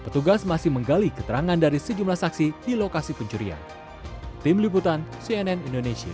petugas masih menggali keterangan dari sejumlah saksi di lokasi pencurian tim liputan cnn indonesia